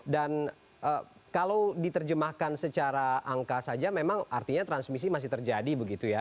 kalau diterjemahkan secara angka saja memang artinya transmisi masih terjadi begitu ya